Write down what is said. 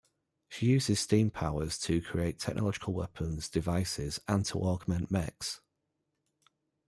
She uses steam powers to create technological weapons, devices, and to augment mechs.